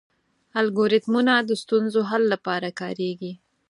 الګوریتمونه د ستونزو حل لپاره کارېږي.